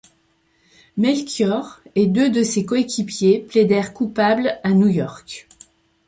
Melchiorre et deux de ses coéquipiers plaidèrent coupables à New York.